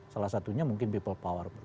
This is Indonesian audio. salah satunya mungkin people power